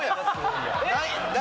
何？